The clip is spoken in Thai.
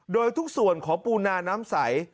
โดยทุกส่วนของปูนาน้ำใส